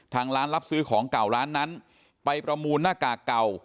ทางร้านรับซื้อของเก่าร้านนั้นไปประมูลหน้ากากเก่า